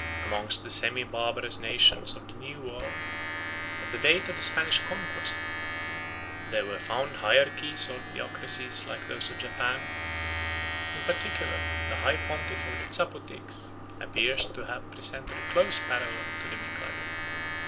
Amongst the semi barbarous nations of the New World, at the date of the Spanish conquest, there were found hierarchies or theocracies like those of Japan; in particular, the high pontiff of the Zapotecs appears to have presented a close parallel to the Mikado.